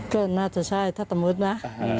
ก็น่าจะใช่ถ้าสมมุตินะ